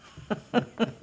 フフフフ。